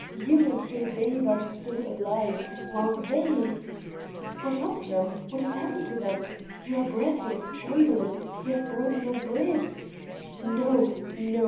You and your babe are still alive; while they " "What of them? What has happened to them? You are breathless, trembling; you have brought no bread " "No, no.